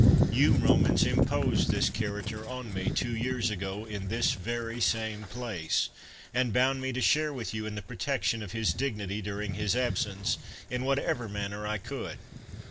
You, Eomans, imposed this character on me, two years ago, in this very same place, and bound me to share with you in the protection of his dignity during his absence, in whatever manner I could.